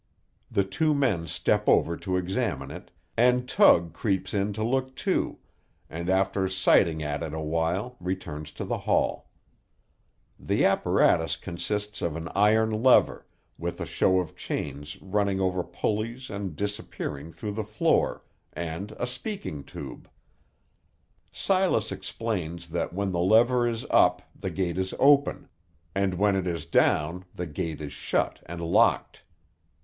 The two men step over to examine it, and Tug creeps in to look too, and after sighting at it awhile returns to the hall. The apparatus consists of an iron lever, with a show of chains running over pulleys and disappearing through the floor, and a speaking tube. Silas explains that when the lever is up the gate is open, and when it is down the gate is shut and locked.